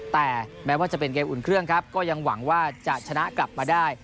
แต่แม้ว่าจะเป็นเกมอุ่นเครื่องครับก็ยังหวังว่าจะชนะกลับมาได้